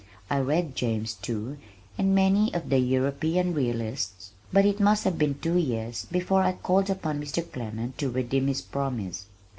I read James, too, and many of the European realists, but it must have been two years before I called upon Mr. Clement to redeem his promise.